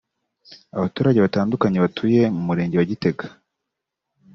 Abaturage batandukanye batuye mu Murenge wa Gitega